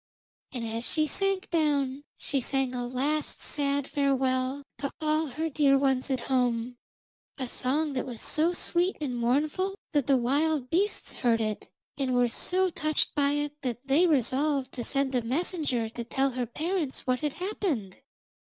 And as she sank down she sang a last sad farewell to all her dear ones at home a song that was so sweet and mournful that the wild beasts heard it, and were so touched by it that they resolved to send a messenger to tell her parents what had happened.